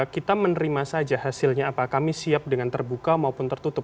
kita menerima saja hasilnya apa kami siap dengan terbuka maupun tertutup